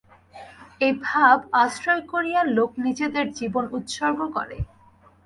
এই ভাব আশ্রয় করিয়া লোক নিজেদের জীবন উৎসর্গ করে।